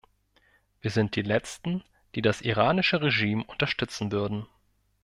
Wir sind die letzten, die das iranische Regime unterstützen würden.